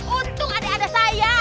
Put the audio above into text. untung ada ada saya